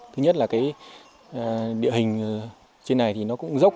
thứ nhất là cái địa hình trên này thì nó cũng dốc